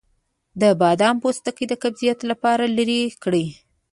د بادام پوستکی د قبضیت لپاره لرې کړئ